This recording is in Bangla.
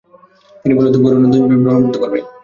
তিনি বলেন, তুমি পরে নতুন বীজ বপন করতে পারবে।